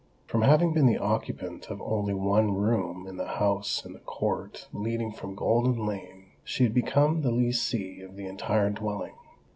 From having been the occupant of only one room in the house in the court leading from Golden Lane, she had become the lessee of the entire dwelling.